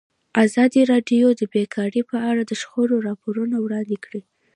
ازادي راډیو د بیکاري په اړه د شخړو راپورونه وړاندې کړي.